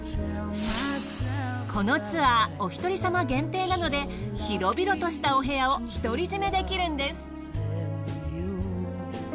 このツアーおひとり様限定なので広々としたお部屋を独り占めできるんです。